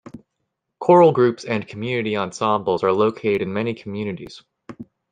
Choral groups and community ensembles are located in many communities.